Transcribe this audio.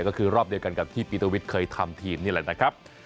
ก็คือรอบเดียวกันกับที่ปีตวิทย์เคยทำทีมนี่แหละนะครับ